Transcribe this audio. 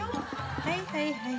はいはいはい。